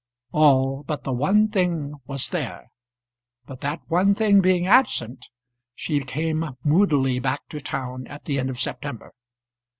All but the one thing was there; but, that one thing being absent, she came moodily back to town at the end of September.